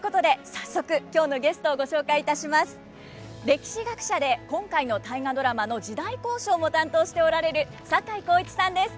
歴史学者で今回の「大河ドラマ」の時代考証も担当しておられる坂井孝一さんです。